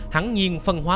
hẳn nhiên phân hóa